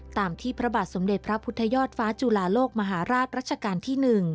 ตามที่พระบาทสมเด็จพระพุทธยอดฟ้าจุลาโลกมหาราชรัชกาลที่๑